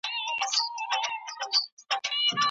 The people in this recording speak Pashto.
که خلګ د سکرو پر ځای ګاز وکاروي، نو هوا ډیره نه ککړیږي.